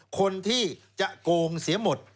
คนที่จะโกงเสียหมด